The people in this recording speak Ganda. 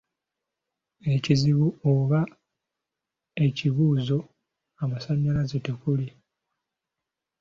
Ekizibu oba ekibuuzo amasannyalaze tekuli?